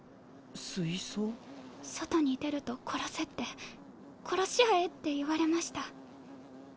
水槽？外に出ると殺せって殺し合えって言われました。